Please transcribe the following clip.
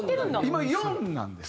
今４なんです。